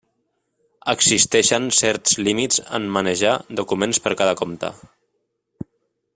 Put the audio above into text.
Existeixen certs límits en manejar documents per cada compte.